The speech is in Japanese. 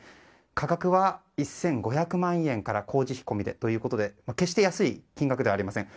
価格は１５００万円から工事費込みでということで決して安い金額ではありません。